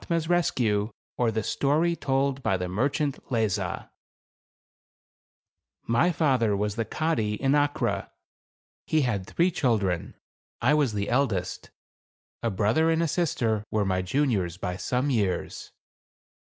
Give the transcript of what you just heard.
158 THE CAB AVAN. iOR THE STORY TOLD BY THE MEHCHANT LETAhI ' 9' : My father was the Kadi in Accara. He had three children. I was the eldest ; a brother and a sister were my juniors by some years.